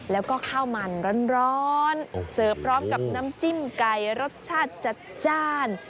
แล้วก็ข้าวมันร้อนเสิร์ฟพร้อมกับน้ำจิ้มไก่รสชาติจัดจ้าน